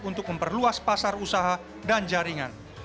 untuk memperluas pasar usaha dan jaringan